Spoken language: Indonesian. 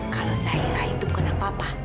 kalau zahira itu bukan anak papa